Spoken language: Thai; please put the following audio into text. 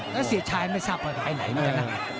แล้วเสียชายไม่ทราบว่าไปไหนเหมือนกันนะ